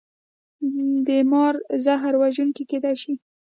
د مار زهر وژونکي کیدی شي